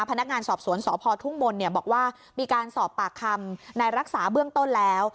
พนักงานสอบสวนสพทุ่งมนต์บอกว่ามีการสอบปากคำนายรักษาเบื้องต้นแล้ว